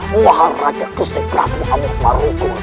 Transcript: maha raja kusti prapu amuk maruku